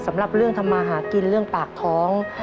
สำหรับเรื่องทำมาหากินเรื่องปากท้อง